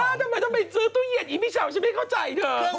บ้าทำไมทำไมจะไปซื้อตู้เย็นอีพี่เช้าฉันไม่เข้าใจเถอะ